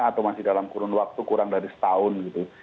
atau masih dalam kurun waktu kurang dari setahun gitu